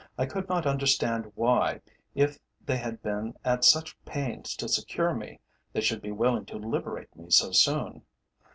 I could not understand why, if they had been at such pains to secure me, they should be willing to liberate me so soon.